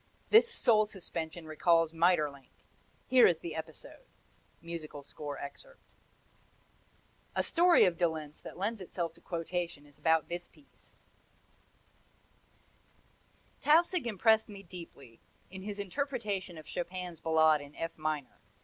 This soul suspension recalls Maeterlinck. Here is the episode: [Musical score excerpt] A story of de Lenz that lends itself to quotation is about this piece: Tausig impressed me deeply in his interpretation of Chopin's Ballade in F minor.